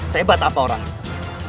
sebat apa orang itu